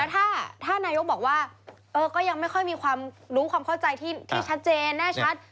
ถ้านายกบอกว่าก็ยังไม่ค่อยมีความรู้ความเข้าใจที่ชัดเจนแน่ชัด